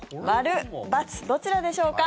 ○、×どちらでしょうか。